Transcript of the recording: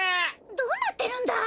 どうなってるんだい？